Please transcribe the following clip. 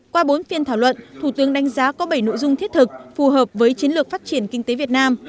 qua bốn phiên thảo luận thủ tướng đánh giá có bảy nội dung thiết thực phù hợp với chiến lược phát triển kinh tế việt nam